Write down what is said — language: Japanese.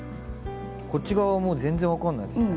こっち側はもう全然分かんないですね。